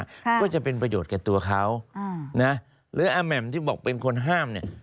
ก็จะเป็นประโยชน์กับตัวเขาอ่านะหรืออาแหม่มที่บอกเป็นคนห้ามเนี่ย